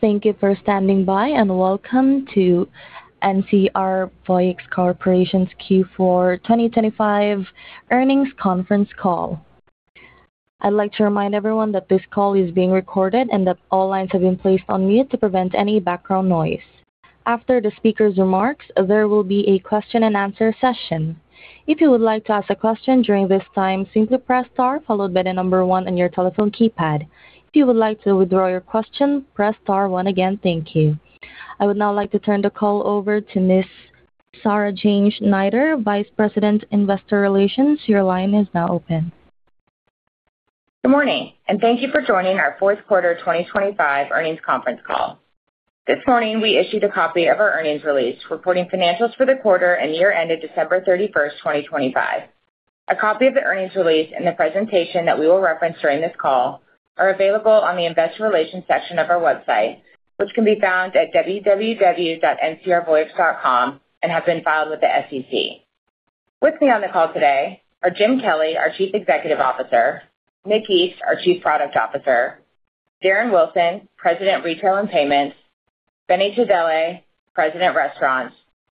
Thank you for standing by. Welcome to NCR Voyix Corporation's Q4 2025 earnings conference call. I'd like to remind everyone that this call is being recorded and that all lines have been placed on mute to prevent any background noise. After the speaker's remarks, there will be a question-and-answer session. If you would like to ask a question during this time, simply press star, followed by one on your telephone keypad. If you would like to withdraw your question, press star one again. Thank you. I would now like to turn the call over to Sarah Jane Schneider, Vice President, Investor Relations. Your line is now open. Good morning. Thank you for joining our fourth quarter 2025 earnings conference call. This morning, we issued a copy of our earnings release, reporting financials for the quarter and year ended December 31st, 2025. A copy of the earnings release and the presentation that we will reference during this call are available on the investor relations section of our website, which can be found at www.ncrvoyix.com and have been filed with the SEC. With me on the call today are James Kelly, our Chief Executive Officer, Nick East, our Chief Product Officer, Darren Wilson, President, Retail and Payments, Benny Tadele, President, Restaurants,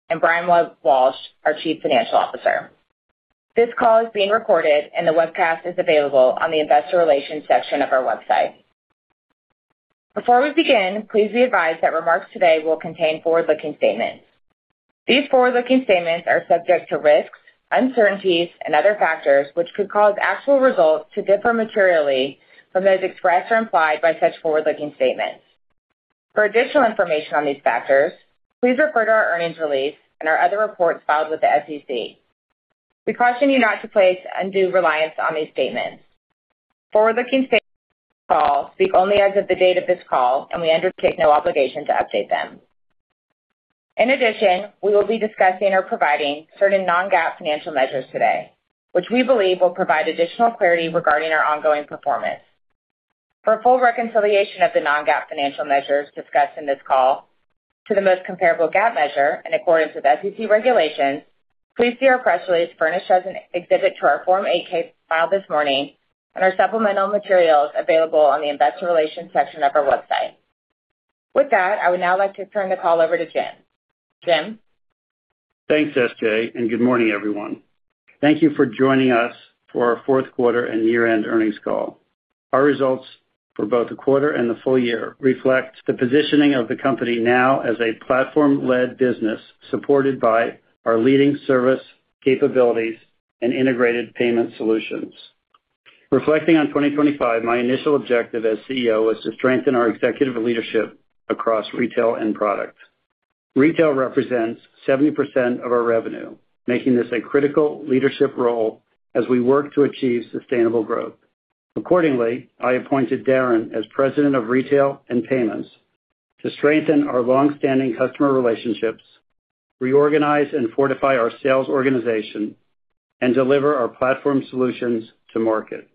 and Brian Webb-Walsh, our Chief Financial Officer. This call is being recorded. The webcast is available on the investor relations section of our website. Before we begin, please be advised that remarks today will contain forward-looking statements. These forward-looking statements are subject to risks, uncertainties, and other factors, which could cause actual results to differ materially from those expressed or implied by such forward-looking statements. For additional information on these factors, please refer to our earnings release and our other reports filed with the SEC. We caution you not to place undue reliance on these statements. Forward-looking statements on this call speak only as of the date of this call, and we undertake no obligation to update them. In addition, we will be discussing or providing certain non-GAAP financial measures today, which we believe will provide additional clarity regarding our ongoing performance. For a full reconciliation of the non-GAAP financial measures discussed in this call to the most comparable GAAP measure in accordance with SEC regulations, please see our press release furnished as an exhibit to our Form 8-K filed this morning and our supplemental materials available on the investor relations section of our website. With that, I would now like to turn the call over to James. James? Thanks, SJ. Good morning, everyone. Thank you for joining us for our fourth quarter and year-end earnings call. Our results for both the quarter and the full year reflect the positioning of the company now as a platform-led business, supported by our leading service capabilities and integrated payment solutions. Reflecting on 2025, my initial objective as CEO was to strengthen our executive leadership across retail and product. Retail represents 70% of our revenue, making this a critical leadership role as we work to achieve sustainable growth. Accordingly, I appointed Darren as President of Retail and Payments to strengthen our long-standing customer relationships, reorganize and fortify our sales organization, and deliver our platform solutions to market.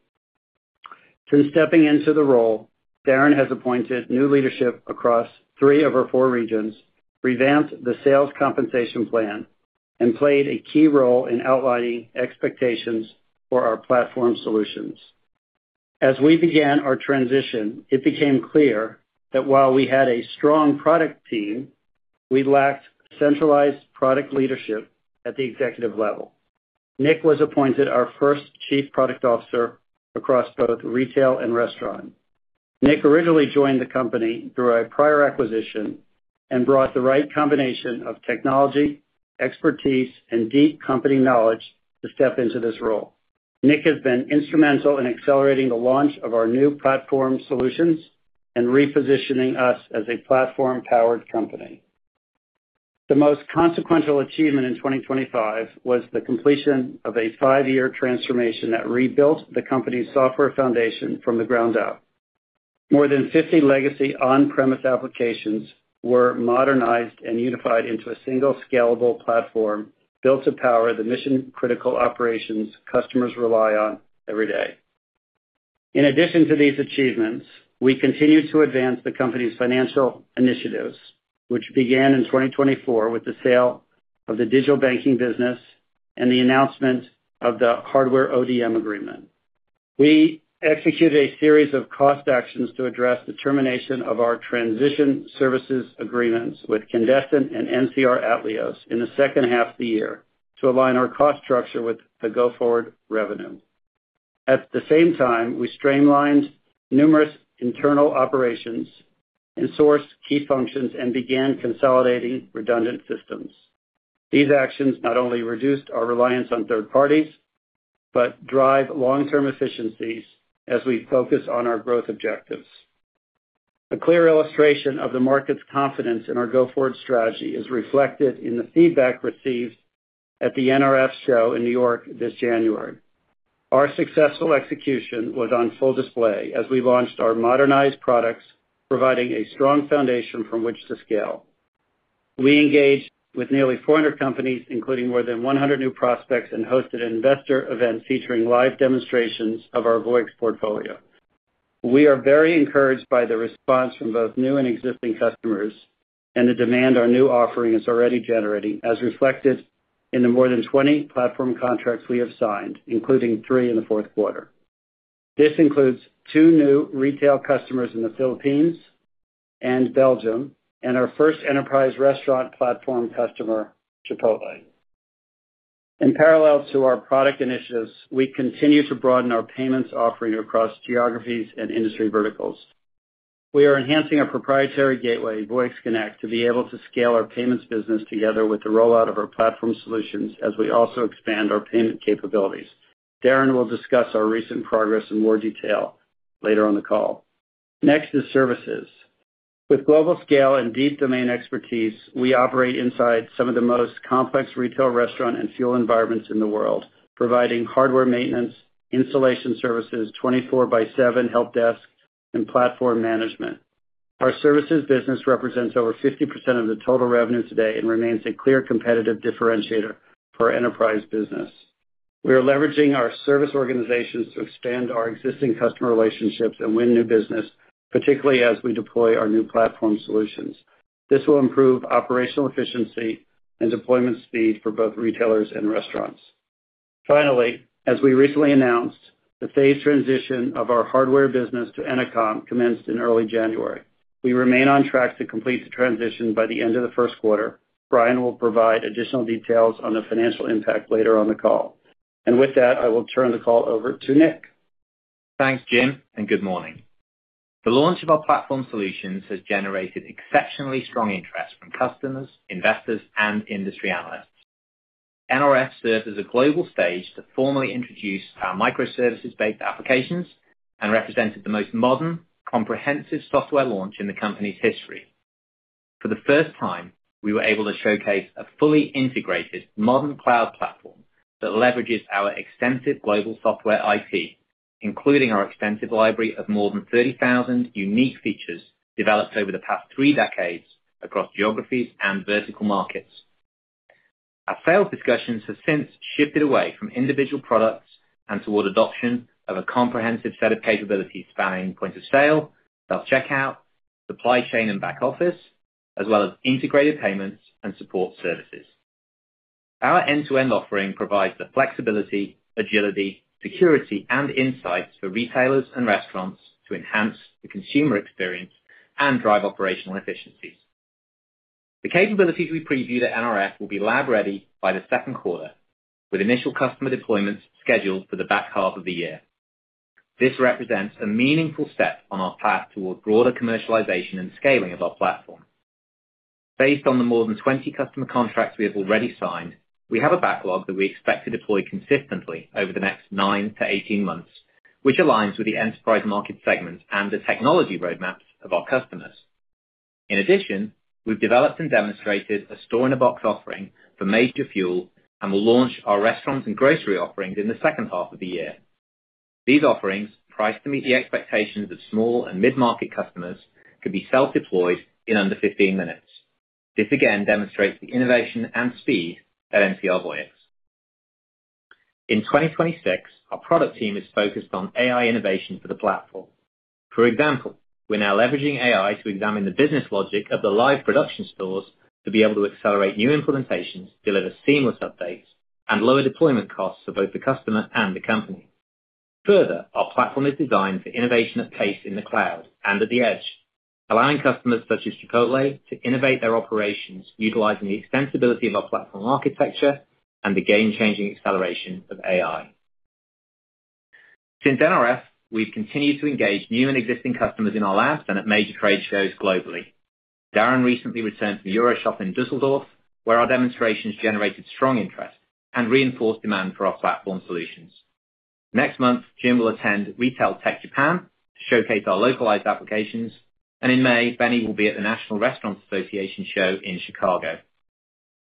Since stepping into the role, Darren has appointed new leadership across three of our four regions, revamped the sales compensation plan, and played a key role in outlining expectations for our platform solutions. As we began our transition, it became clear that while we had a strong product team, we lacked centralized product leadership at the executive level. Nick was appointed our first Chief Product Officer across both retail and restaurant. Nick originally joined the company through a prior acquisition and brought the right combination of technology, expertise, and deep company knowledge to step into this role. Nick has been instrumental in accelerating the launch of our new platform solutions and repositioning us as a platform-powered company. The most consequential achievement in 2025 was the completion of a five year transformation that rebuilt the company's software foundation from the ground up. More than 50 legacy on-premise applications were modernized and unified into a single scalable platform built to power the mission-critical operations customers rely on every day. In addition to these achievements, we continued to advance the company's financial initiatives, which began in 2024 with the sale of the digital banking business and the announcement of the hardware ODM agreement. We executed a series of cost actions to address the termination of our transition services agreements with [Conduent] and NCR Atleos in the second half of the year to align our cost structure with the go-forward revenue. At the same time, we streamlined numerous internal operations and sourced key functions and began consolidating redundant systems. These actions not only reduced our reliance on third parties, but drive long-term efficiencies as we focus on our growth objectives A clear illustration of the market's confidence in our go-forward strategy is reflected in the feedback received at the NRF show in New York this January. Our successful execution was on full display as we launched our modernized products, providing a strong foundation from which to scale. We engaged with nearly 400 companies, including more than 100 new prospects. Hosted an investor event featuring live demonstrations of our Voyix portfolio. We are very encouraged by the response from both new and existing customers and the demand our new offering is already generating, as reflected in the more than 20 platform contracts we have signed, including 3 in the fourth quarter. This includes 2 new retail customers in the Philippines and Belgium. Our first enterprise restaurant platform customer, Chipotle. In parallel to our product initiatives, we continue to broaden our payments offering across geographies and industry verticals. We are enhancing our proprietary gateway, Voyix Connect, to be able to scale our payments business together with the rollout of our platform solutions as we also expand our payment capabilities. Darren will discuss our recent progress in more detail later on the call. Next is services. With global scale and deep domain expertise, we operate inside some of the most complex retail, restaurant, and fuel environments in the world, providing hardware maintenance, installation services, 24 by 7 help desk, and platform management. Our services business represents over 50% of the total revenue today and remains a clear competitive differentiator for our enterprise business. We are leveraging our service organizations to expand our existing customer relationships and win new business, particularly as we deploy our new platform solutions. This will improve operational efficiency and deployment speed for both retailers and restaurants. Finally, as we recently announced, the phased transition of our hardware business to Ennoconn commenced in early January. We remain on track to complete the transition by the end of the first quarter. Brian will provide additional details on the financial impact later on the call. With that, I will turn the call over to Nick. Thanks, James, and good morning. The launch of our platform solutions has generated exceptionally strong interest from customers, investors, and industry analysts. NRF serves as a global stage to formally introduce our microservices-based applications and represented the most modern, comprehensive software launch in the company's history. For the first time, we were able to showcase a fully integrated modern cloud platform that leverages our extensive global software IP, including our extensive library of more than 30,000 unique features developed over the past three decades across geographies and vertical markets. Our sales discussions have since shifted away from individual products and toward adoption of a comprehensive set of capabilities spanning point of sale, self-checkout, supply chain, and back office, as well as integrated payments and support services. Our end-to-end offering provides the flexibility, agility, security, and insights for retailers and restaurants to enhance the consumer experience and drive operational efficiencies. The capabilities we previewed at NRF will be lab-ready by the second quarter, with initial customer deployments scheduled for the back half of the year. This represents a meaningful step on our path toward broader commercialization and scaling of our platform. Based on the more than 20 customer contracts we have already signed, we have a backlog that we expect to deploy consistently over the next 9-18 months, which aligns with the enterprise market segments and the technology roadmaps of our customers. We've developed and demonstrated a store-in-a-box offering for major fuel and will launch our restaurants and grocery offerings in the second half of the year. These offerings, priced to meet the expectations of small and mid-market customers, can be self-deployed in under 15 minutes. This again demonstrates the innovation and speed at NCR Voyix. In 2026, our product team is focused on AI innovation for the platform. For example, we're now leveraging AI to examine the business logic of the live production stores to be able to accelerate new implementations, deliver seamless updates, and lower deployment costs for both the customer and the company. Our platform is designed for innovation at pace in the cloud and at the Edge, allowing customers, such as Chipotle, to innovate their operations, utilizing the extensibility of our platform architecture and the game-changing acceleration of AI. Since NRF, we've continued to engage new and existing customers in our labs and at major trade shows globally. Darren recently returned from EuroShop in Düsseldorf, where our demonstrations generated strong interest and reinforced demand for our platform solutions. Next month, James will attend RETAILTECH JAPAN to showcase our localized applications, and in May, Benny will be at the National Restaurant Association show in Chicago.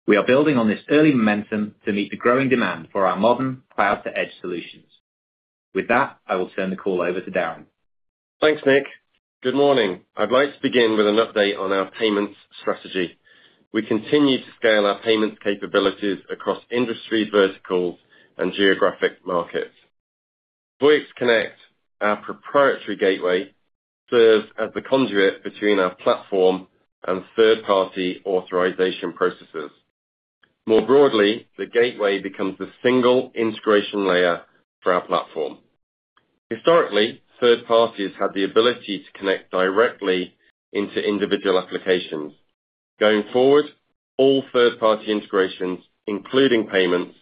We are building on this early momentum to meet the growing demand for our modern cloud-to-edge solutions. With that, I will turn the call over to Darren. Thanks, Nick. Good morning. I'd like to begin with an update on our payments strategy. We continue to scale our payments capabilities across industry verticals and geographic markets. Voyix Connect, our proprietary gateway, serves as the conduit between our platform and third-party authorization processes. More broadly, the gateway becomes the single integration layer for our platform. Historically, third parties had the ability to connect directly into individual applications. Going forward, all third-party integrations, including payments,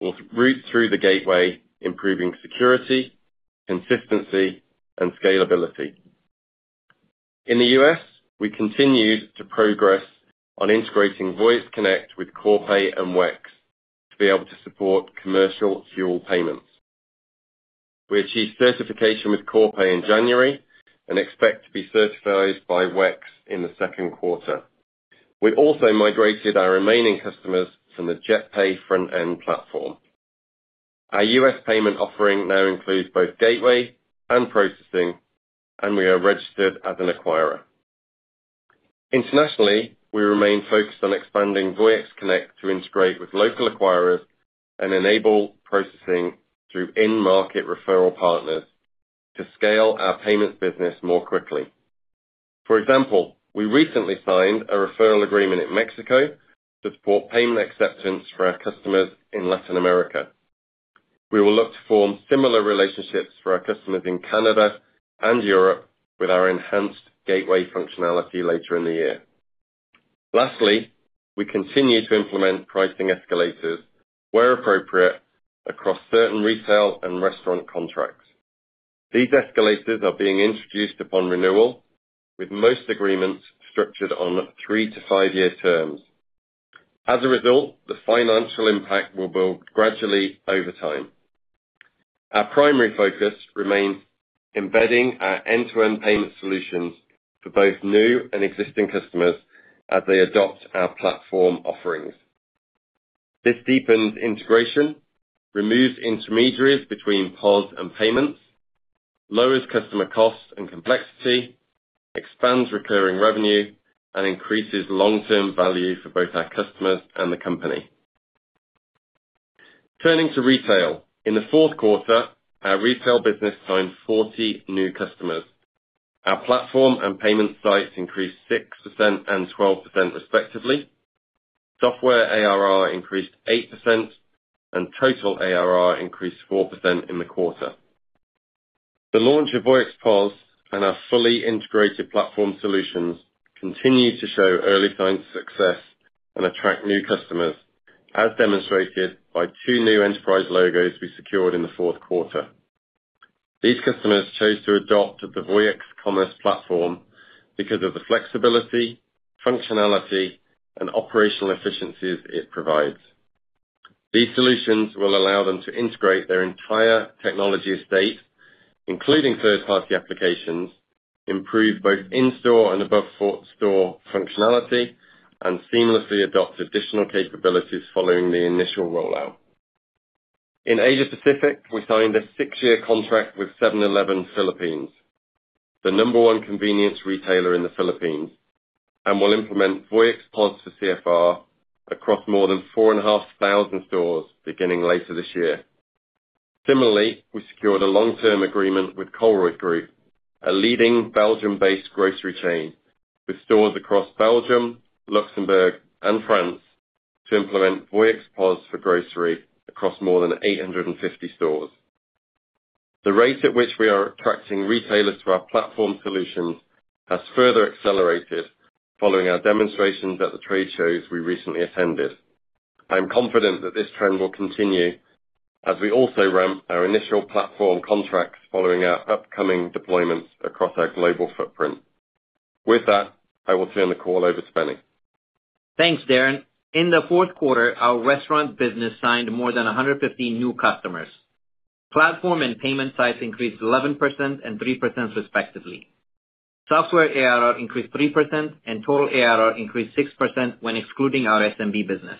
will route through the gateway, improving security, consistency, and scalability. In the U.S., we continued to progress on integrating Voyix Connect with Corpay and WEX to be able to support commercial fuel payments. We achieved certification with Corpay in January and expect to be certified by WEX in the second quarter. We also migrated our remaining customers from the JetPay front-end platform. Our U.S. payment offering now includes both gateway and processing, and we are registered as an acquirer. Internationally, we remain focused on expanding Voyix Connect to integrate with local acquirers and enable processing through in-market referral partners to scale our payments business more quickly. For example, we recently signed a referral agreement in Mexico to support payment acceptance for our customers in Latin America. We will look to form similar relationships for our customers in Canada and Europe with our enhanced gateway functionality later in the year. Lastly, we continue to implement pricing escalators where appropriate, across certain retail and restaurant contracts. These escalators are being introduced upon renewal, with most agreements structured on three-five-year terms. As a result, the financial impact will build gradually over time. Our primary focus remains embedding our end-to-end payment solutions for both new and existing customers as they adopt our platform offerings. This deepens integration, removes intermediaries between POS and payments, lowers customer costs and complexity, expands recurring revenue, and increases long-term value for both our customers and the company. Turning to retail. In the fourth quarter, our retail business signed 40 new customers. Our platform and payment sites increased 6% and 12% respectively. Software ARR increased 8%, and total ARR increased 4% in the quarter. The launch of Voyix POS and our fully integrated platform solutions continue to show early signs of success and attract new customers, as demonstrated by two new enterprise logos we secured in the fourth quarter. These customers chose to adopt the Voyix Commerce Platform because of the flexibility, functionality, and operational efficiencies it provides. These solutions will allow them to integrate their entire technology estate, including third-party applications, improve both in-store and above-store functionality, and seamlessly adopt additional capabilities following the initial rollout. In Asia Pacific, we signed a six-year contract with 7-Eleven Philippines, the number one convenience retailer in the Philippines, and will implement Voyix POS for CFR across more than 4,500 stores beginning later this year. Similarly, we secured a long-term agreement with Colruyt Group, a leading Belgium-based grocery chain, with stores across Belgium, Luxembourg, and France, to implement Voyix POS for grocery across more than 850 stores. The rate at which we are attracting retailers to our platform solutions has further accelerated following our demonstrations at the trade shows we recently attended. I am confident that this trend will continue as we also ramp our initial platform contracts following our upcoming deployments across our global footprint. With that, I will turn the call over to Benny. Thanks, Darren. In the fourth quarter, our restaurant business signed more than 150 new customers. Platform and payment sites increased 11% and 3%, respectively. Software ARR increased 3%, and total ARR increased 6% when excluding our SMB business.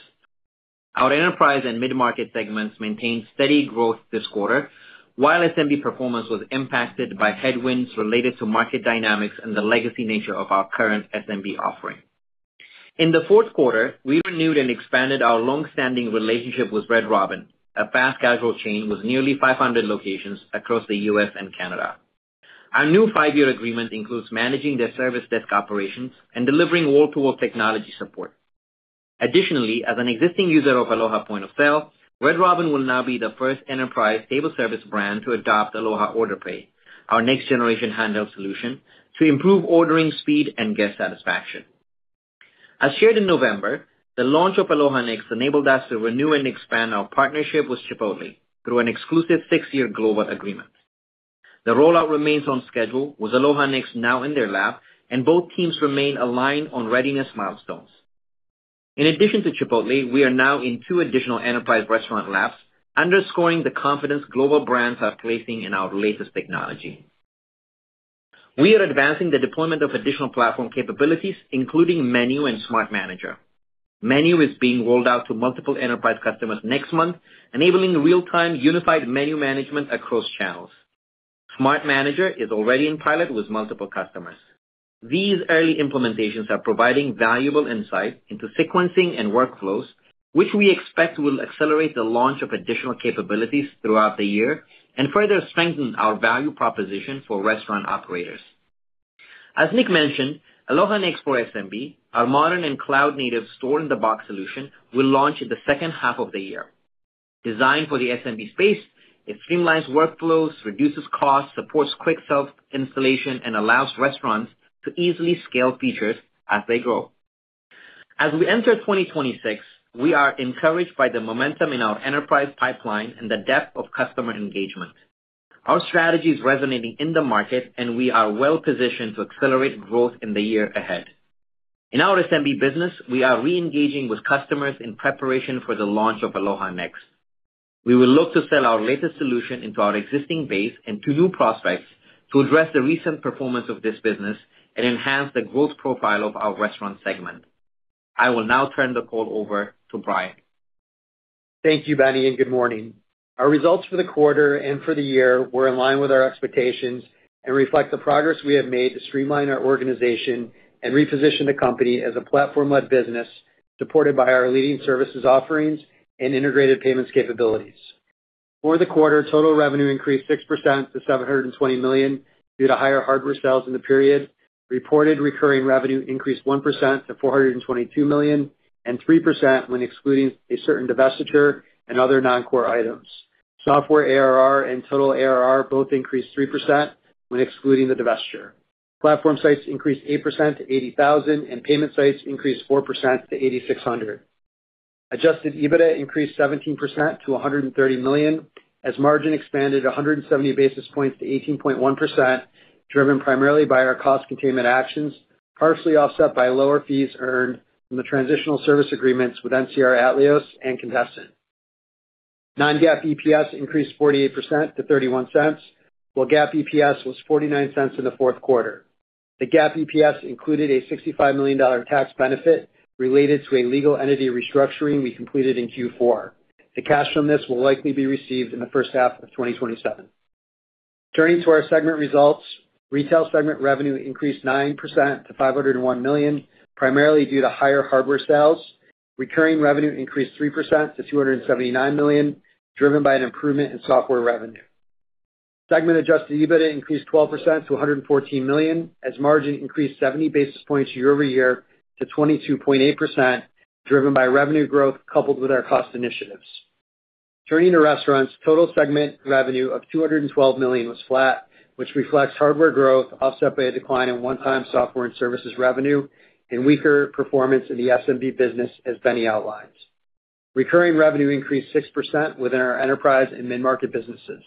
Our enterprise and mid-market segments maintained steady growth this quarter, while SMB performance was impacted by headwinds related to market dynamics and the legacy nature of our current SMB offering. In the fourth quarter, we renewed and expanded our long-standing relationship with Red Robin, a fast casual chain with nearly 500 locations across the U.S. and Canada. Our new five-year agreement includes managing their service desk operations and delivering wall-to-wall technology support. Additionally, as an existing user of Aloha Point of Sale, Red Robin will now be the first enterprise table service brand to adopt Aloha OrderPay, our next-generation handheld solution, to improve ordering speed and guest satisfaction. As shared in November, the launch of Aloha Next enabled us to renew and expand our partnership with Chipotle through an exclusive six-year global agreement. The rollout remains on schedule, with Aloha Next now in their lab, and both teams remain aligned on readiness milestones. In addition to Chipotle, we are now in two additional enterprise restaurant labs, underscoring the confidence global brands are placing in our latest technology. We are advancing the deployment of additional platform capabilities, including Menu and Smart Manager. Menu is being rolled out to multiple enterprise customers next month, enabling real-time, unified menu management across channels. Smart Manager is already in pilot with multiple customers. These early implementations are providing valuable insight into sequencing and workflows, which we expect will accelerate the launch of additional capabilities throughout the year and further strengthen our value proposition for restaurant operators. As Nick mentioned, Aloha Next for SMB, our modern and cloud-native store-in-a-box solution, will launch in the second half of the year. Designed for the SMB space, it streamlines workflows, reduces costs, supports quick self-installation, and allows restaurants to easily scale features as they grow. As we enter 2026, we are encouraged by the momentum in our enterprise pipeline and the depth of customer engagement. Our strategy is resonating in the market, and we are well positioned to accelerate growth in the year ahead. In our SMB business, we are reengaging with customers in preparation for the launch of Aloha Next. We will look to sell our latest solution into our existing base and to new prospects to address the recent performance of this business and enhance the growth profile of our restaurant segment. I will now turn the call over to Brian. Thank you, Benny. Good morning. Our results for the quarter and for the year were in line with our expectations and reflect the progress we have made to streamline our organization and reposition the company as a platform-led business, supported by our leading services offerings and integrated payments capabilities. For the quarter, total revenue increased 6% to $720 million, due to higher hardware sales in the period. Reported recurring revenue increased 1% to $422 million, and 3% when excluding a certain divestiture and other non-core items. Software ARR and total ARR both increased 3% when excluding the divestiture. Platform sites increased 8% to 80,000, and payment sites increased 4% to 8,600. Adjusted EBITDA increased 17% to $130 million, as margin expanded 170 basis points to 18.1%, driven primarily by our cost containment actions, partially offset by lower fees earned from the transitional service agreements with NCR Atleos and [Contessa]. non-GAAP EPS increased 48% to $0.31, while GAAP EPS was $0.49 in the fourth quarter. The GAAP EPS included a $65 million tax benefit related to a legal entity restructuring we completed in Q4. The cash from this will likely be received in the first half of 2027. Turning to our segment results. Retail segment revenue increased 9% to $501 million, primarily due to higher hardware sales. Recurring revenue increased 3% to $279 million, driven by an improvement in software revenue. Segment Adjusted EBITDA increased 12% to $114 million, as margin increased 70 basis points year-over-year to 22.8%, driven by revenue growth, coupled with our cost initiatives. Turning to restaurants, total segment revenue of $212 million was flat, which reflects hardware growth, offset by a decline in one-time software and services revenue, and weaker performance in the SMB business, as Benny outlines. Recurring revenue increased 6% within our enterprise and mid-market businesses.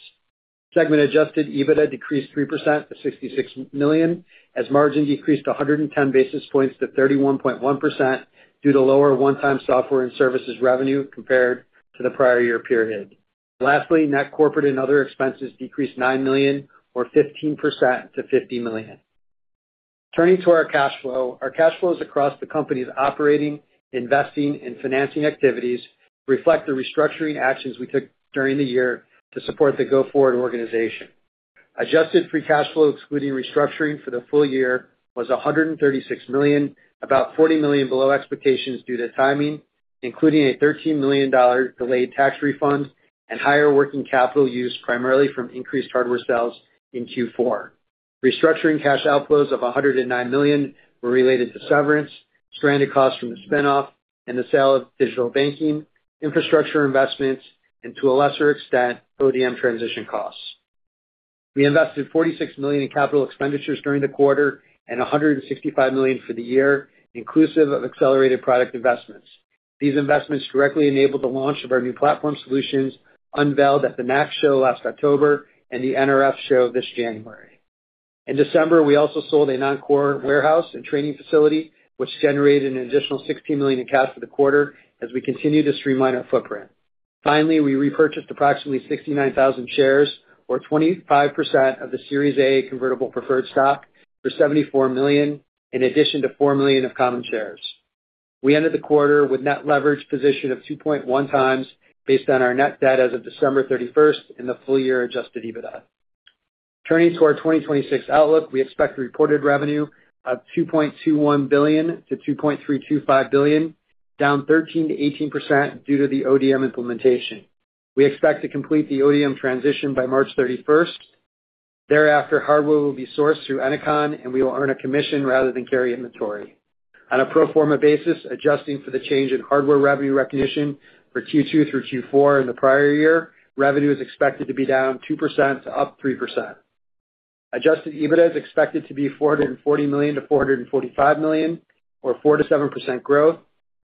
Segment Adjusted EBITDA decreased 3% to $66 million, as margin decreased 110 basis points to 31.1%, due to lower one-time software and services revenue compared to the prior year period. Lastly, net corporate and other expenses decreased $9 million, or 15% to $50 million. Turning to our cash flow, our cash flows across the company's operating, investing, and financing activities reflect the restructuring actions we took during the year to support the go-forward organization. Adjusted free cash flow, excluding restructuring for the full year, was $136 million, about $40 million below expectations due to timing, including a $13 million delayed tax refund and higher working capital use, primarily from increased hardware sales in Q4. Restructuring cash outflows of $109 million were related to severance, stranded costs from the spin-off, and the sale of digital banking, infrastructure investments, and to a lesser extent, ODM transition costs. We invested $46 million in capital expenditures during the quarter and $165 million for the year, inclusive of accelerated product investments. These investments directly enabled the launch of our new platform solutions, unveiled at the NACS Show last October and the NRF show this January. In December, we also sold a non-core warehouse and training facility, which generated an additional $16 million in cash for the quarter as we continue to streamline our footprint. We repurchased approximately 69,000 shares, or 25% of the Series A convertible preferred stock, for $74 million, in addition to $4 million of common shares. We ended the quarter with net leverage position of 2.1 times based on our net debt as of December 31st in the full year Adjusted EBITDA. For our 2026 outlook, we expect reported revenue of $2.21 billion-$2.325 billion, down 13%-18% due to the ODM implementation. We expect to complete the ODM transition by March 31st. Thereafter, hardware will be sourced through Ennoconn, and we will earn a commission rather than carry inventory. On a pro forma basis, adjusting for the change in hardware revenue recognition for Q2 through Q4 in the prior year, revenue is expected to be down 2% to up 3%. Adjusted EBITDA is expected to be $440 million-$445 million, or 4%-7% growth.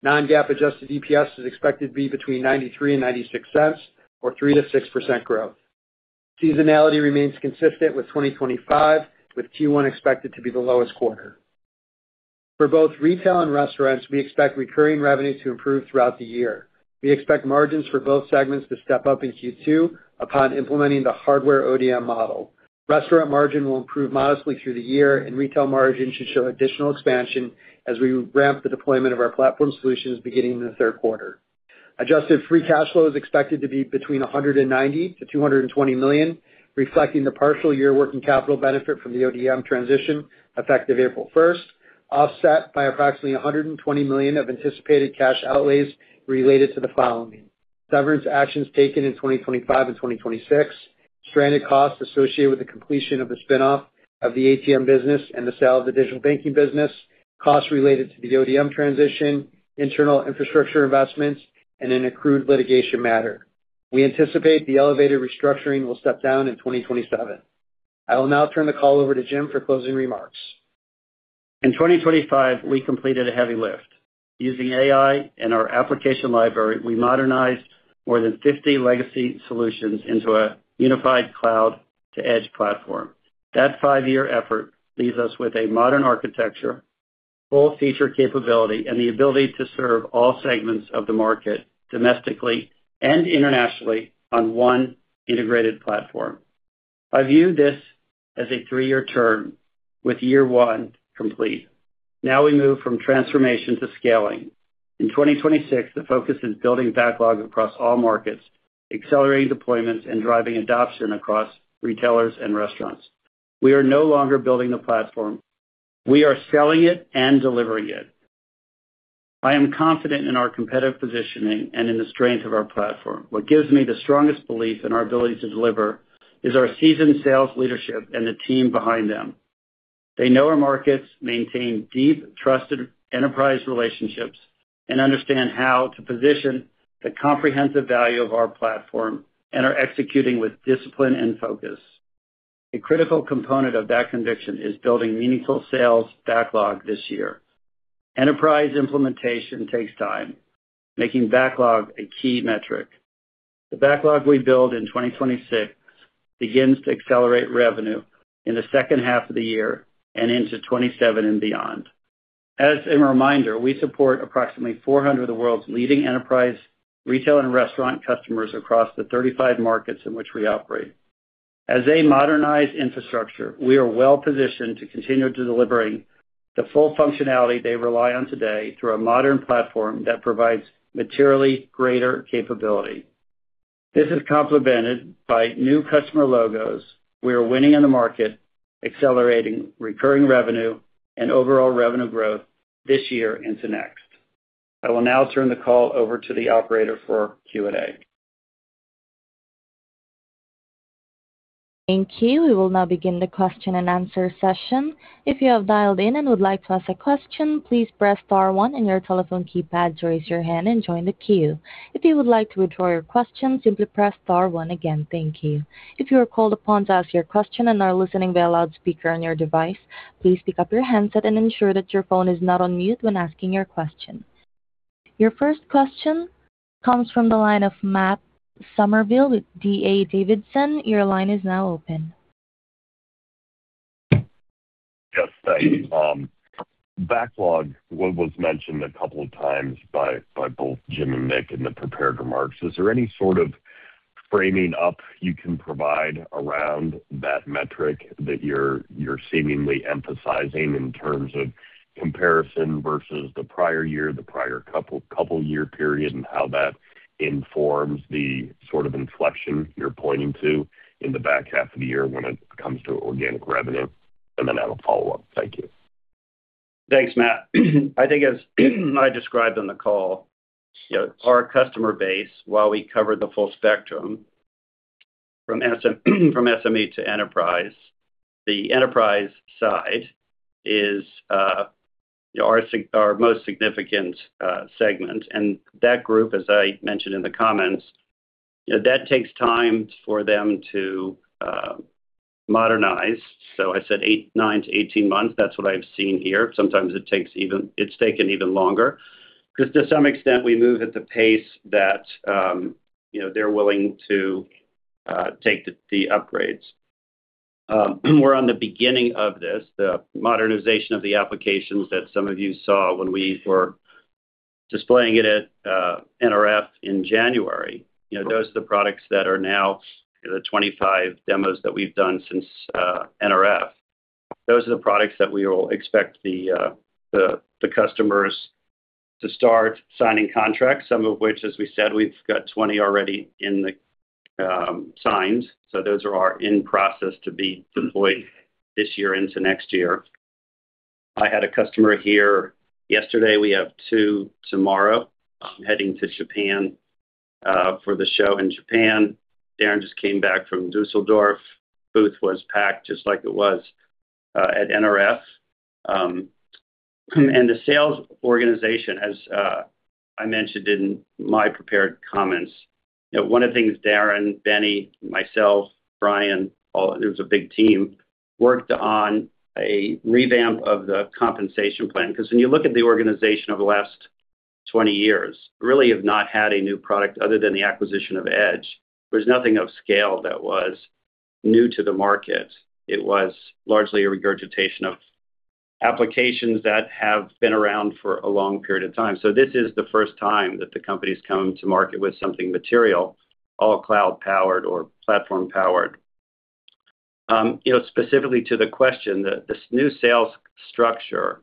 Non-GAAP adjusted EPS is expected to be between $0.93 and $0.96, or 3%-6% growth. Seasonality remains consistent with 2025, with Q1 expected to be the lowest quarter. For both retail and restaurants, we expect recurring revenue to improve throughout the year. We expect margins for both segments to step up in Q2 upon implementing the hardware ODM model. Restaurant margin will improve modestly through the year, and retail margin should show additional expansion as we ramp the deployment of our platform solutions beginning in the third quarter. Adjusted free cash flow is expected to be between $190 million and $220 million, reflecting the partial year working capital benefit from the ODM transition, effective April first, offset by approximately $120 million of anticipated cash outlays related to the following: severance actions taken in 2025 and 2026, stranded costs associated with the completion of the spin-off of the ATM business and the sale of the digital banking business, costs related to the ODM transition, internal infrastructure investments, and an accrued litigation matter. We anticipate the elevated restructuring will step down in 2027. I will now turn the call over to James for closing remarks. In 2025, we completed a heavy lift. Using AI and our application library, we modernized more than 50 legacy solutions into a unified cloud-to-edge platform. That five-year effort leaves us with a modern architecture, full feature capability, and the ability to serve all segments of the market, domestically and internationally, on one integrated platform. I view this as a three-year term, with year one complete. We move from transformation to scaling. In 2026, the focus is building backlog across all markets, accelerating deployments, and driving adoption across retailers and restaurants. We are no longer building the platform. We are selling it and delivering it. I am confident in our competitive positioning and in the strength of our platform. What gives me the strongest belief in our ability to deliver is our seasoned sales leadership and the team behind them. They know our markets, maintain deep, trusted enterprise relationships, and understand how to position the comprehensive value of our platform and are executing with discipline and focus. A critical component of that conviction is building meaningful sales backlog this year. Enterprise implementation takes time, making backlog a key metric. The backlog we build in 2026 begins to accelerate revenue in the second half of the year and into 2027 and beyond. As a reminder, we support approximately 400 of the world's leading enterprise, retail, and restaurant customers across the 35 markets in which we operate. As they modernize infrastructure, we are well positioned to continue delivering the full functionality they rely on today through a modern platform that provides materially greater capability. This is complemented by new customer logos. We are winning in the market, accelerating recurring revenue and overall revenue growth this year into next. I will now turn the call over to the operator for Q&A. Thank you. We will now begin the question and answer session. If you have dialed in and would like to ask a question, please press star one on your telephone keypad to raise your hand and join the queue. If you would like to withdraw your question, simply press star one again. Thank you. If you are called upon to ask your question and are listening via loudspeaker on your device, please pick up your handset and ensure that your phone is not on mute when asking your question. Your first question comes from the line of Matt Summerville with D.A. Davidson. Your line is now open. Yes, thank you. Backlog was mentioned a couple of times by both James and Nick in the prepared remarks. Is there any sort of framing up you can provide around that metric that you're seemingly emphasizing in terms of comparison versus the prior year, the prior couple year period, and how that informs the sort of inflection you're pointing to in the back half of the year when it comes to organic revenue? I will follow up. Thank you. Thanks, Matt. As I described on the call, you know, our customer base, while we cover the full spectrum from SME to enterprise, the enterprise side is our most significant segment. That group, as I mentioned in the comments, that takes time for them to modernize. I said eight, nine to 18 months. That's what I've seen here. Sometimes it's taken even longer, because to some extent, we move at the pace that, you know, they're willing to take the upgrades. We're on the beginning of this modernization of the applications that some of you saw when we were displaying it at NRF in January. You know, those are the products that are now the 25 demos that we've done since NRF. Those are the products that we will expect the customers to start signing contracts, some of which, as we said, we've got 20 already in the signed. Those are in process to be deployed this year into next year. I had a customer here yesterday. We have two tomorrow. I'm heading to Japan for the show in Japan. Darren just came back from Düsseldorf. Booth was packed, just like it was at NRF. The sales organization, as I mentioned in my prepared comments, you know, one of the things Darren, Benny, myself, Brian, all, it was a big team, worked on a revamp of the compensation plan. When you look at the organization over the last 20 years, really have not had a new product other than the acquisition of Edge. There's nothing of scale that was new to the market. It was largely a regurgitation of applications that have been around for a long period of time. This is the first time that the company's coming to market with something material, all cloud-powered or platform-powered. You know, specifically to the question, that this new sales structure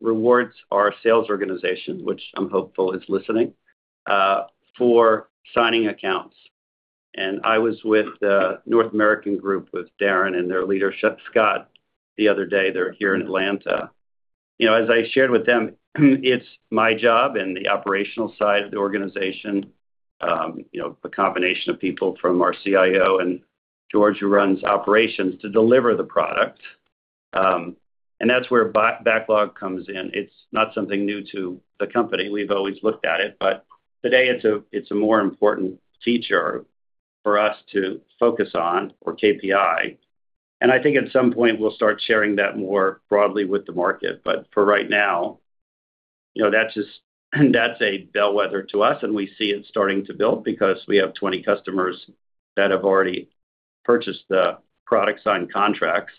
rewards our sales organization, which I'm hopeful is listening, for signing accounts. I was with the North American group, with Darren and their leadership, Scott, the other day. They're here in Atlanta. You know, as I shared with them, it's my job and the operational side of the organization, you know, the combination of people from our CIO and George, who runs operations, to deliver the product. That's where backlog comes in. It's not something new to the company. We've always looked at it, but today it's a more important feature for us to focus on, or KPI. I think at some point we'll start sharing that more broadly with the market. For right now, you know, that's just, that's a bellwether to us, and we see it starting to build because we have 20 customers that have already purchased the product, signed contracts,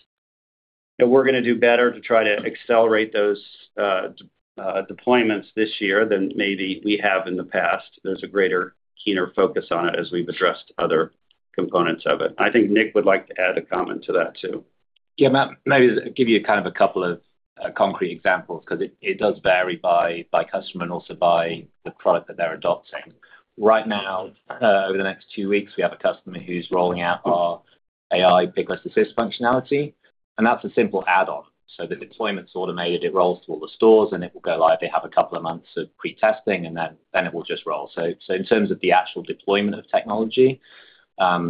and we're going to do better to try to accelerate those deployments this year than maybe we have in the past. There's a greater, keener focus on it as we've addressed other components of it. I think Nick would like to add a comment to that, too. Yeah, Matt, maybe give you kind of a couple of concrete examples, because it does vary by customer and also by the product that they're adopting. Right now, over the next two weeks, we have a customer who's rolling out our AI Picklist Assist functionality, and that's a simple add-on. The deployment's automated. It rolls to all the stores, and it will go live. They have a couple of months of pre-testing, and then it will just roll. In terms of the actual deployment of technology,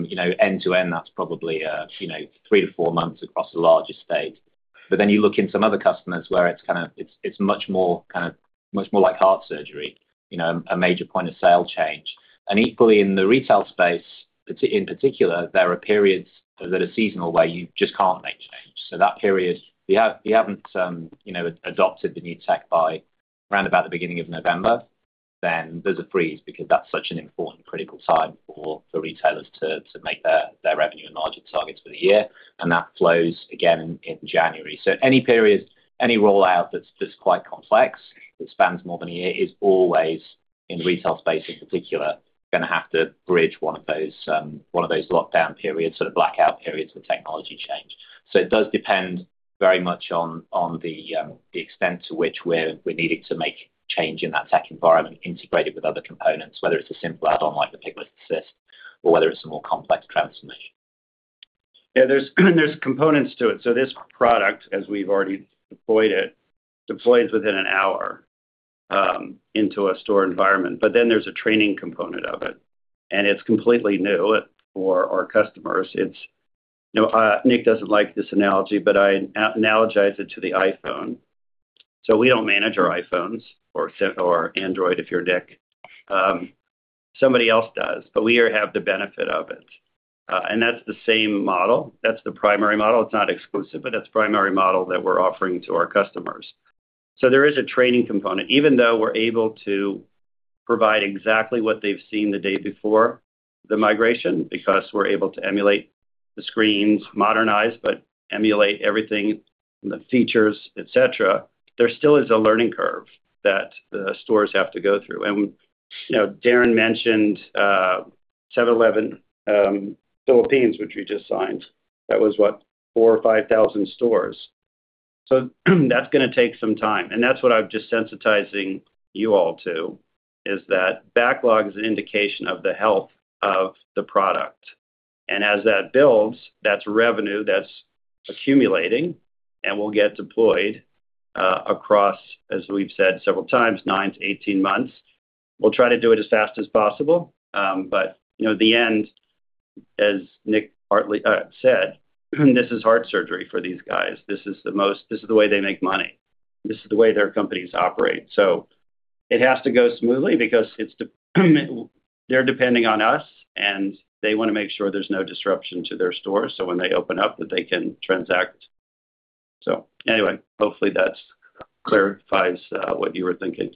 you know, end-to-end, that's probably a, you know, three-four months across the largest state. You look in some other customers where it's much more, kind of, like heart surgery, you know, a major point-of-sale change. Equally, in the retail space, in particular, there are periods that are seasonal, where you just can't make change. That period, if you haven't, you know, adopted the new tech by around about the beginning of November, then there's a freeze, because that's such an important critical time for the retailers to make their revenue and margin targets for the year, and that flows again in January. Any periods, any rollout that's quite complex, that spans more than a year, is always, in the retail space in particular, gonna have to bridge one of those, one of those lockdown periods, sort of blackout periods for technology change. It does depend very much on the extent to which we're needing to make change in that tech environment, integrated with other components, whether it's a simple add-on, like the Picklist Assist, or whether it's a more complex transformation. There's components to it. This product, as we've already deployed it, deploys within an hour into a store environment. There's a training component of it, and it's completely new for our customers. It's, you know, Nick doesn't like this analogy, but I analogize it to the iPhone. We don't manage our iPhones or, or Android, if you're Nick. Somebody else does, but we have the benefit of it. That's the same model. That's the primary model. It's not exclusive, but that's the primary model that we're offering to our customers. There is a training component. Even though we're able to provide exactly what they've seen the day before the migration, because we're able to emulate the screens, modernize, but emulate everything, the features, et cetera, there still is a learning curve that the stores have to go through. You know, Darren mentioned 7-Eleven Philippines, which we just signed. That was, what? 4 or 5000 stores. That's gonna take some time, and that's what I'm just sensitizing you all to, is that backlog is an indication of the health of the product. As that builds, that's revenue that's accumulating and will get deployed across, as we've said several times, nine to 18 months. We'll try to do it as fast as possible, but you know, the end, as Nick partly said, this is heart surgery for these guys. This is the way they make money. This is the way their companies operate. It has to go smoothly because it's they're depending on us, and they wanna make sure there's no disruption to their stores, so when they open up, that they can transact. Anyway, hopefully, that's clarifies, what you were thinking.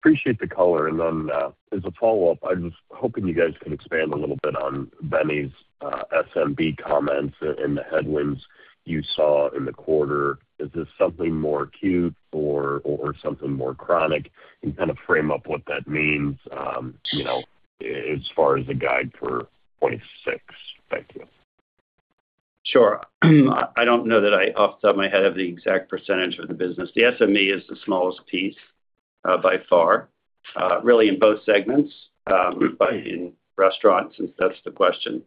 Appreciate the color. As a follow-up, I'm just hoping you guys can expand a little bit on Benny's SMB comments and the headwinds you saw in the quarter. Is this something more acute or something more chronic? Kind of frame up what that means, you know, as far as the guide for 2026. Thank you. Sure. I don't know that I, off the top of my head, have the exact percentage of the business. The SME is the smallest piece, by far, really in both segments, but in restaurants, since that's the question.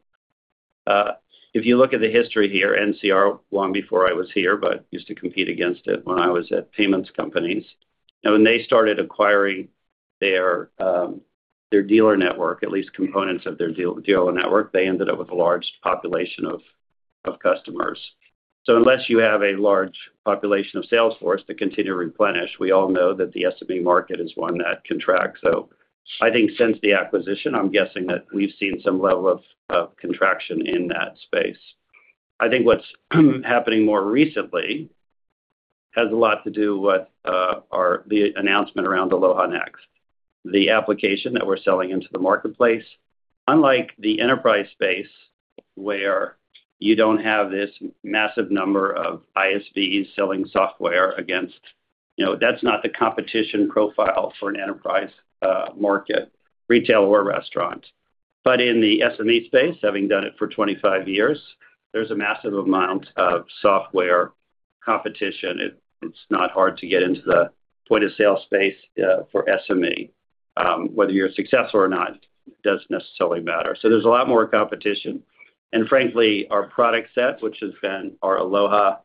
If you look at the history here, NCR, long before I was here, but used to compete against it when I was at payments companies, and when they started acquiring their dealer network, at least components of their dealer network, they ended up with a large population of customers. Unless you have a large population of sales force to continue to replenish, we all know that the SME market is one that can track. I think since the acquisition, I'm guessing that we've seen some level of contraction in that space. I think what's happening more recently has a lot to do with the announcement around Aloha Next, the application that we're selling into the marketplace. Unlike the enterprise space, where you don't have this massive number of ISVs selling software against. You know, that's not the competition profile for an enterprise market, retail or restaurant. In the SME space, having done it for 25 years, there's a massive amount of software competition. It's not hard to get into the point-of-sale space for SME. Whether you're successful or not, doesn't necessarily matter. There's a lot more competition. Frankly, our product set, which has been our Aloha,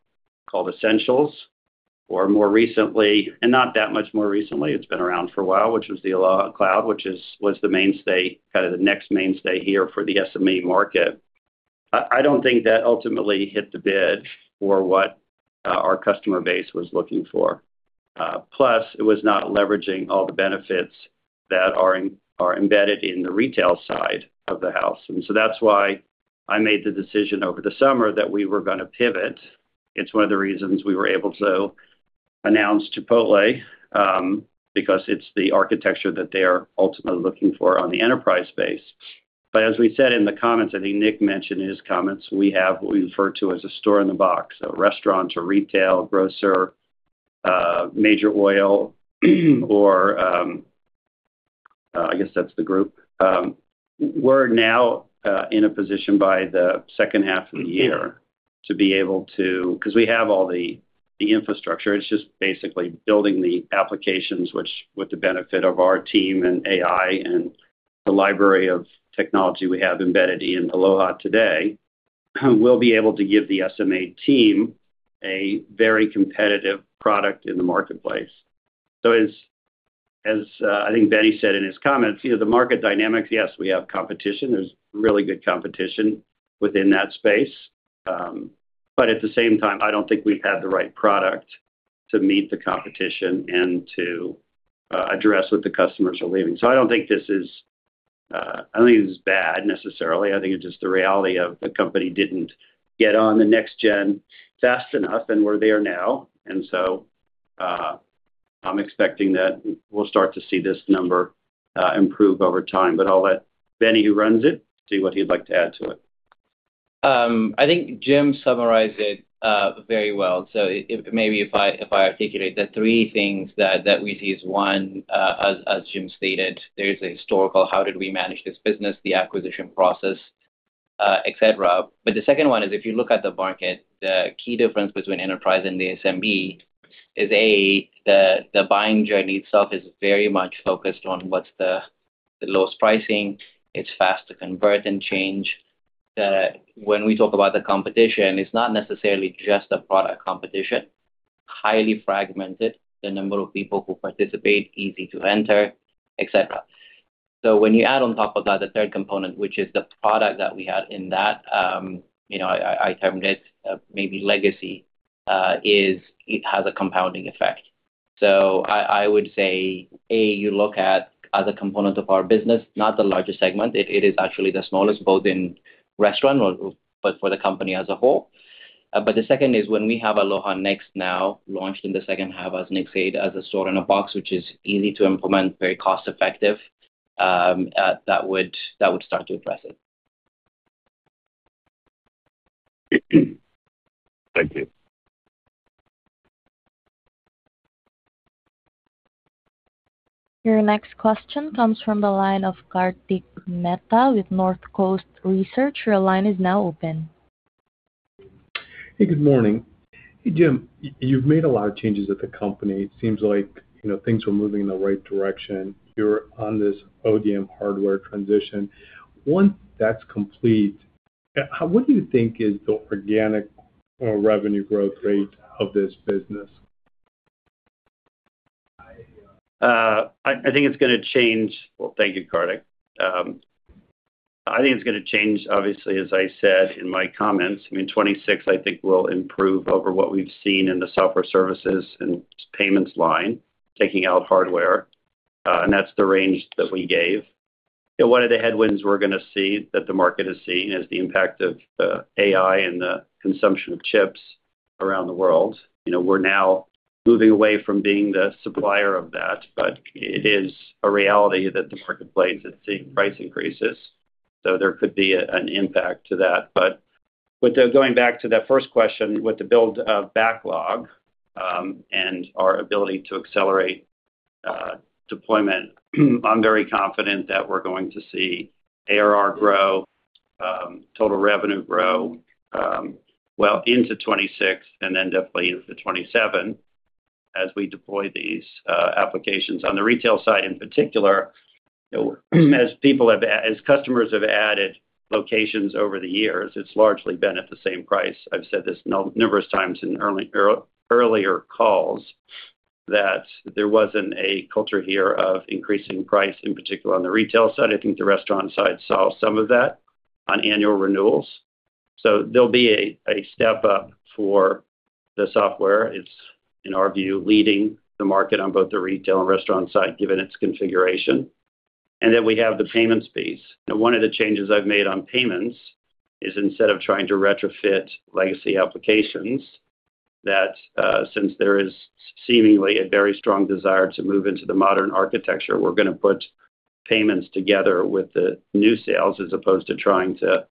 called Essentials, or more recently, and not that much more recently, it's been around for a while, which was the Aloha Cloud, which was the mainstay, kind of the next mainstay here for the SME market. I don't think that ultimately hit the bid for what our customer base was looking for. Plus, it was not leveraging all the benefits that are embedded in the retail side of the house. That's why I made the decision over the summer that we were gonna pivot. It's one of the reasons we were able to announce Chipotle, because it's the architecture that they are ultimately looking for on the enterprise space. As we said in the comments, I think Nick mentioned in his comments, we have what we refer to as a store-in-a-box, so restaurants or retail, grocer, major oil, I guess that's the group. We're now in a position by the second half of the year to be able to 'cause we have all the infrastructure. It's just basically building the applications, which, with the benefit of our team and AI and the library of technology we have embedded in Aloha today, we'll be able to give the SMB team a very competitive product in the marketplace. As I think Benny said in his comments, you know, the market dynamics, yes, we have competition. There's really good competition within that space. At the same time, I don't think we've had the right product to meet the competition and to address what the customers are leaving. I don't think this is, I don't think it's bad necessarily. I think it's just the reality of the company didn't get on the next gen fast enough, and we're there now. I'm expecting that we'll start to see this number improve over time. I'll let Benny, who runs it, see what he'd like to add to it. I think James summarized it very well. Maybe if I articulate the three things that we see is, one, as James stated, there's a historical, how did we manage this business, the acquisition process, et cetera. The second one is, if you look at the market, the key difference between enterprise and the SMB is, A, the buying journey itself is very much focused on what's the lowest pricing. It's fast to convert and change. When we talk about the competition, it's not necessarily just a product competition, highly fragmented, the number of people who participate, easy to enter, et cetera. When you add on top of that, the third component, which is the product that we have in that, you know, I termed it, maybe legacy, is, it has a compounding effect. I would say, A, you look at other components of our business, not the largest segment. It is actually the smallest, both in restaurant or but for the company as a whole. The second is when we have Aloha Next now, launched in the second half as a store-in-a-box, which is easy to implement, very cost-effective, that would start to address it. Thank you. Your next question comes from the line of Kartik Mehta with North Coast Research. Your line is now open. Hey, good morning. James, you've made a lot of changes at the company. It seems like, you know, things were moving in the right direction. You're on this ODM hardware transition. Once that's complete, what do you think is the organic revenue growth rate of this business? Well, thank you, Kartik. I think it's gonna change, obviously, as I said in my comments. I mean, 2026, I think, will improve over what we've seen in the software services and payments line, taking out hardware. That's the range that we gave. One of the headwinds we're gonna see, that the market is seeing, is the impact of AI and the consumption of chips around the world. You know, we're now moving away from being the supplier of that. It is a reality that the marketplace is seeing price increases. There could be an impact to that. Going back to that first question, with the build of backlog, and our ability to accelerate deployment, I'm very confident that we're going to see ARR grow, total revenue grow, well into 2026 and then definitely into 2027 as we deploy these applications. On the retail side, in particular, as customers have added locations over the years, it's largely been at the same price. I've said this numerous times in early, earlier calls, that there wasn't a culture here of increasing price, in particular on the retail side. I think the restaurant side saw some of that on annual renewals, so there'll be a step up for the software. It's, in our view, leading the market on both the retail and restaurant side, given its configuration. We have the payments piece. One of the changes I've made on payments is instead of trying to retrofit legacy applications, that, since there is seemingly a very strong desire to move into the modern architecture, we're gonna put payments together with the new sales, as opposed to trying to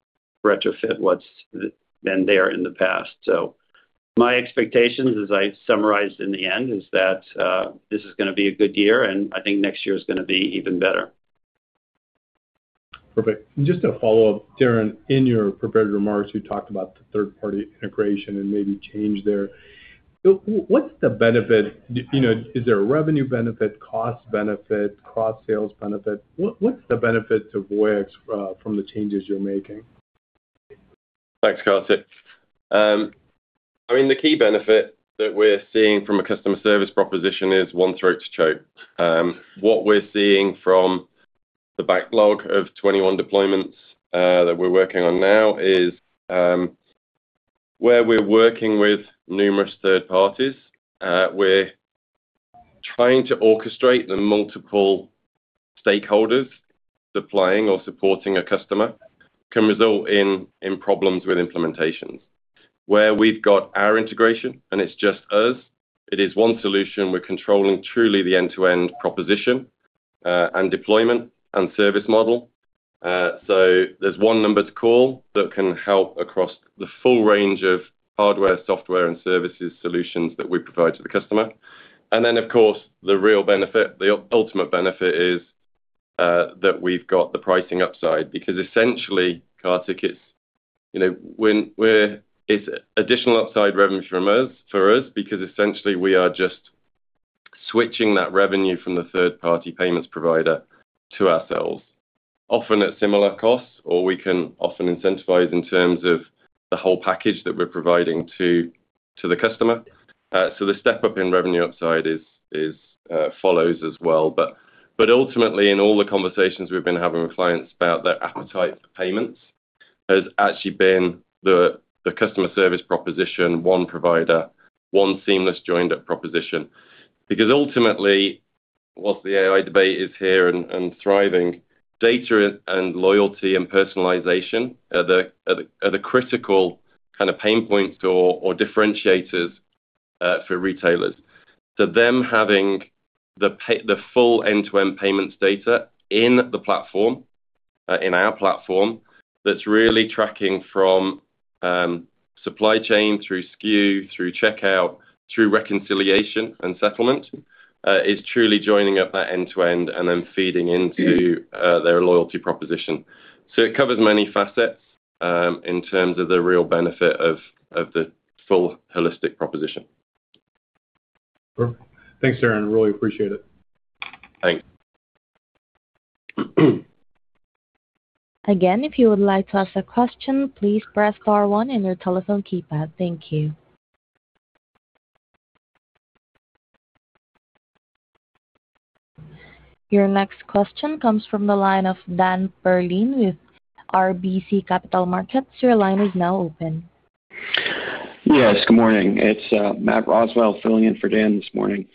retrofit what's been there in the past. My expectations, as I summarized in the end, is that, this is gonna be a good year, and I think next year is gonna be even better. Perfect. Just a follow-up, Darren, in your prepared remarks, you talked about the third-party integration and maybe change there. What's the benefit? You know, is there a revenue benefit, cost benefit, cross-sales benefit? What's the benefit to Voyix from the changes you're making? Thanks, Kartik. I mean, the key benefit that we're seeing from a customer service proposition is one throat to choke. What we're seeing from the backlog of 21 deployments that we're working on now is where we're working with numerous third parties, we're trying to orchestrate the multiple stakeholders supplying or supporting a customer, can result in problems with implementations. Where we've got our integration and it's just us, it is one solution. We're controlling truly the end-to-end proposition and deployment and service model. There's one number to call that can help across the full range of hardware, software, and services solutions that we provide to the customer. Of course, the real benefit, the ultimate benefit is that we've got the pricing upside. Essentially, car tickets, you know, we're, it's additional upside revenue for us, because essentially we are just switching that revenue from the third-party payments provider to ourselves, often at similar costs, or we can often incentivize in terms of the whole package that we're providing to the customer. The step-up in revenue upside is follows as well. Ultimately, in all the conversations we've been having with clients about their appetite for payments, has actually been the customer service proposition, one provider, one seamless, joined-up proposition. Ultimately, whilst the AI debate is here and thriving, data and loyalty and personalization are the critical kind of pain points or differentiators for retailers. Them having the pay, the full end-to-end payments data in the platform, in our platform, that's really tracking from, supply chain through SKU, through checkout, through reconciliation and settlement, is truly joining up that end-to-end and then feeding into, their loyalty proposition. It covers many facets, in terms of the real benefit of the full holistic proposition. Sure. Thanks, Darren. Really appreciate it. Thanks. Again, if you would like to ask a question, please press star one on your telephone keypad. Thank you. Your next question comes from the line of Dan Perlin with RBC Capital Markets. Your line is now open. Yes, good morning. It's Matt Roswell filling in for Dan this morning.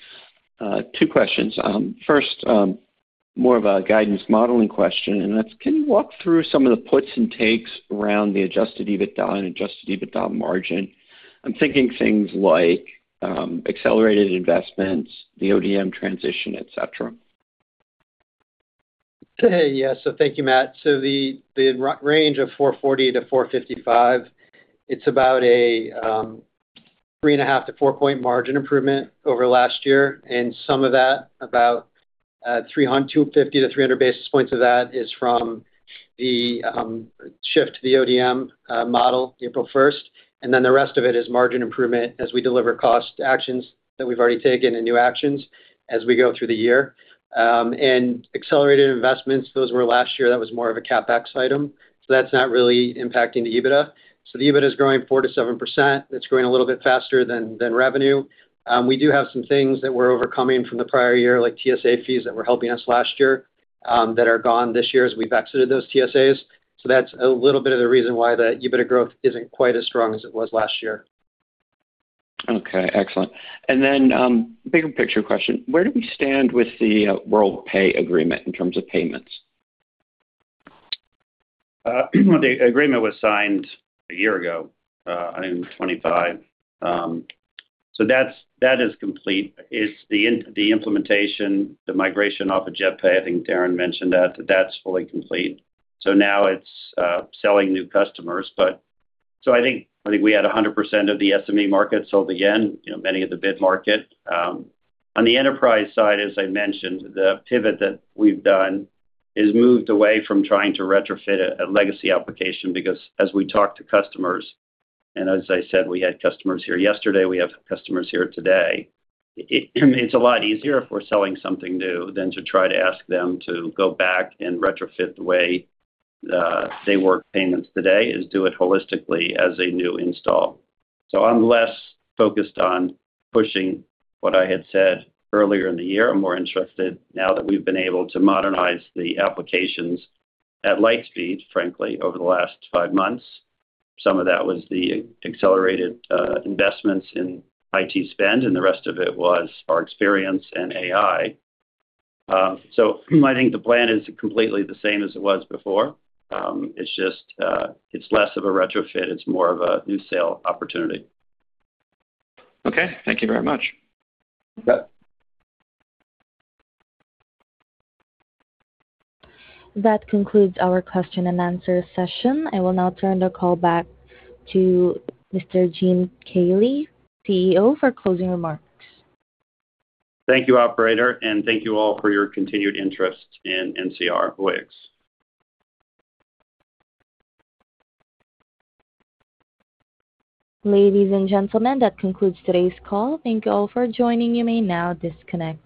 two questions. First, more of a guidance modeling question, and that's: Can you walk through some of the puts and takes around the Adjusted EBITDA and Adjusted EBITDA margin? I'm thinking things like accelerated investments, the ODM transition, et cetera. Yes, thank you, Matt. The range of 440-455, it's about a 3.5-4 point margin improvement over last year. Some of that, about 250-300 basis points of that is from the shift to the ODM model, April 1st. Then the rest of it is margin improvement as we deliver cost actions that we've already taken and new actions as we go through the year. Accelerated investments, those were last year. That was more of a CapEx item, so that's not really impacting the EBITDA. The EBITDA is growing 4%-7%. It's growing a little bit faster than revenue. We do have some things that we're overcoming from the prior year, like TSA fees, that were helping us last year, that are gone this year as we've exited those TSAs. That's a little bit of the reason why the EBITDA growth isn't quite as strong as it was last year. Okay, excellent. bigger picture question: Where do we stand with the Worldpay agreement in terms of payments? The agreement was signed a year ago on 2025. That's complete. It's the implementation, the migration off of JetPay, I think Darren mentioned that's fully complete. Now it's selling new customers. I think we had 100% of the SME market sold again, you know, many of the mid-market. On the enterprise side, as I mentioned, the pivot that we've done has moved away from trying to retrofit a legacy application, because as we talk to customers, and as I said, we had customers here yesterday, we have customers here today, it's a lot easier if we're selling something new than to try to ask them to go back and retrofit the way they work payments today, is do it holistically as a new install. I'm less focused on pushing what I had said earlier in the year. I'm more interested, now that we've been able to modernize the applications at light speed, frankly, over the last five months. Some of that was the accelerated investments in IT spend, and the rest of it was our experience in AI. I think the plan is completely the same as it was before. It's just, it's less of a retrofit, it's more of a new sale opportunity. Okay, thank you very much. That concludes our question and answer session. I will now turn the call back to Mr. James Kelly, CEO, for closing remarks. Thank you, operator, and thank you all for your continued interest in NCR Voyix. Ladies and gentlemen, that concludes today's call. Thank you all for joining. You may now disconnect.